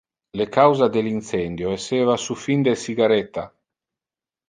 Le causa del incendio esseva su fin de cigaretta.